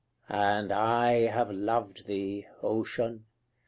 And I have loved thee, Ocean!